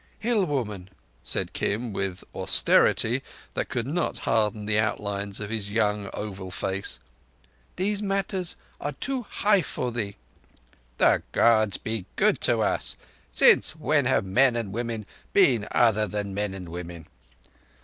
"Hillwoman," said Kim, with austerity that could not harden the outlines of his young oval face, "these matters are too high for thee." "The Gods be good to us! Since when have men and women been other than men and women?"